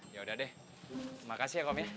yaudah deh makasih ya kom ya